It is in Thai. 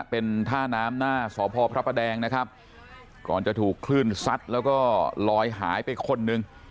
เป็นท่าน้ำหน้าสพพระประแดงนะครับก่อนจะถูกคลื่นซัดแล้วก็ลอยหายไปคนหนึ่ง